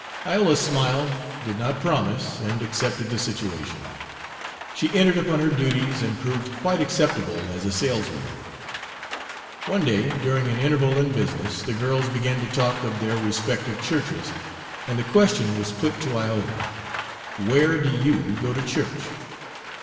Iola smiled, did not promise, and accepted the situation. She entered upon her duties, and proved quite acceptable as a saleswoman. One day, during an interval in business, the girls began to talk of their respective churches, and the question was put to Iola: "Where do you go to church?"